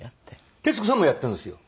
徹子さんもやってるんですよ